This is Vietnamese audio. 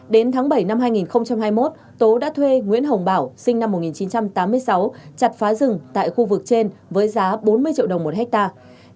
đến tháng bảy năm hai nghìn hai mươi một tố đã thuê nguyễn hồng bảo sinh năm một nghìn chín trăm tám mươi sáu chặt phá rừng tại khu vực trên với giá bốn mươi triệu đồng một hectare